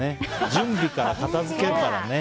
準備から、片付けからね。